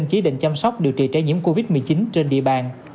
chỉ định chăm sóc điều trị trẻ nhiễm covid một mươi chín trên địa bàn